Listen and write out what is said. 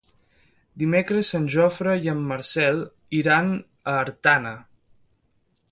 Dimecres en Jofre i en Marcel iran a Artana.